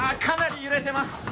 かなり揺れてます。